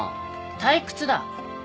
退屈だ。